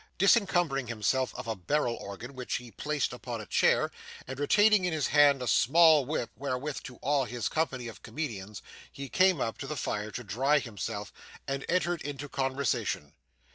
Disencumbering himself of a barrel organ which he placed upon a chair, and retaining in his hand a small whip wherewith to awe his company of comedians, he came up to the fire to dry himself, and entered into conversation.